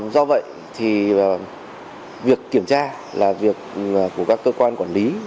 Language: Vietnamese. do vậy thì việc kiểm tra là việc của các cơ quan quản lý